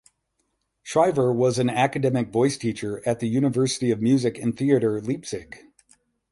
Schriever was an academic voice teacher at the University of Music and Theatre Leipzig.